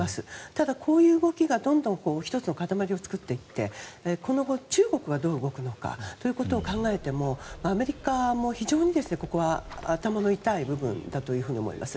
ただ、こういう動きが１つの塊を作っていって今後、中国はどう動くのかということを考えてもアメリカも非常にここは頭の痛い部分だと思います。